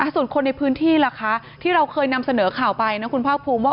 ส่วนคนในพื้นที่ล่ะคะที่เราเคยนำเสนอข่าวไปนะคุณภาคภูมิว่า